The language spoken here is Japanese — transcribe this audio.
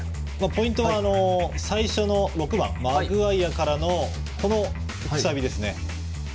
ポイントは最初の６番マグワイアからの、くさびですね。